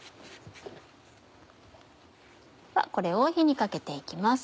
これを火にかけて行きます。